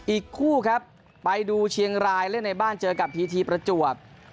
อีกคู่ครับไปดูเชียงรายเล่นในบ้านเจอกับพีทีประจวบ